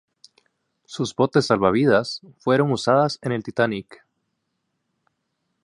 Sus botes salvavidas fueron usadas en el Titanic.